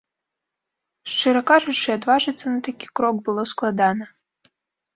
Шчыра кажучы, адважыцца на такі крок было складана.